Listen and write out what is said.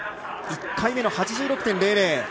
１回目の８６．００。